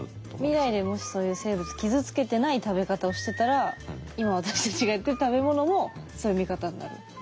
未来でもしそういう生物傷つけてない食べ方をしてたら今私たちがやってる食べ物もそういう見方になる。